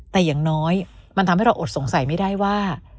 แต่อย่างน้อยมันทำให้เราอดสงสัยไม่ได้ว่า